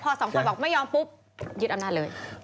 พอสองคนบอกไม่ยอมปุ๊บยึดอำนาจเลย